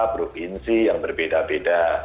provinsi yang berbeda beda